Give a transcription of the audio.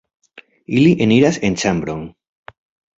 Ili eniras en ĉambron.